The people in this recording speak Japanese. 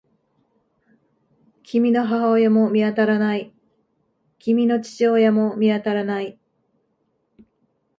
君の母親も見当たらない。君の父親も見当たらない。